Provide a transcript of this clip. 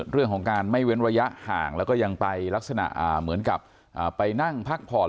เรื่องของการไม่เว้นระยะห่างแล้วก็ยังไปลักษณะเหมือนกับไปนั่งพักผ่อน